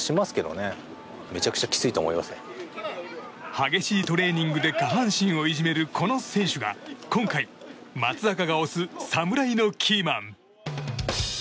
激しいトレーニングで下半身をいじめるこの選手が今回、松坂が推す侍のキーマン。